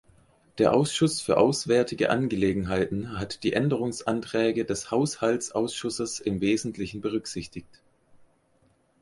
Der Ausschuss für auswärtige Angelegenheiten hat die Änderungsanträge des Haushaltsausschusses im Wesentlichen berücksichtigt.